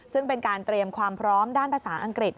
ซึ่งเป็นการเตรียมความพร้อมด้านภาษาอังกฤษ